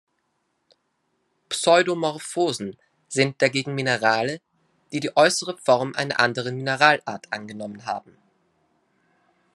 Pseudomorphosen sind dagegen Minerale, die die äußere Form einer anderen Mineralart angenommen haben.